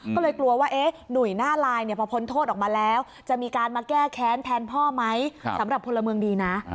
ก็เลยกลัวว่าหนุ่ยหน้าลายพอพ้นโทษออกมาแล้วจะมีการมาแก้แค้นแทนพ่อไหมสำหรับพลเมืองดีนะ